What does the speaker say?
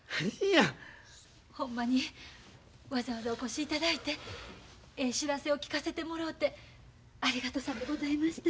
ほんまにわざわざお越しいただいてええ知らせを聞かせてもろうてありがとさんでございました。